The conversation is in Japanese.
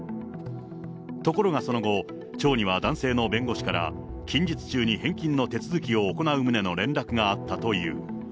ところがその後、町には男性の弁護士から、近日中に返金の手続きを行う旨の連絡があったという。